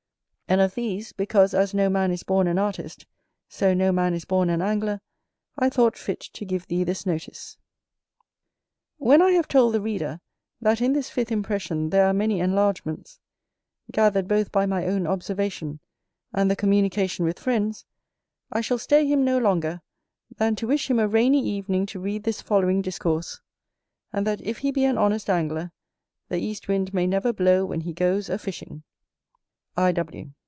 And of these, because as no man is born an artist, so no man is born an Angler, I thought fit to give thee this notice. When I have told the reader, that in this fifth impression there are many enlargements, gathered both by my own observation, and the communication with friends, I shall stay him no longer than to wish him a rainy evening to read this following Discourse; and that if he be an honest Angler, the east wind may never blow when he goes a fishing. I.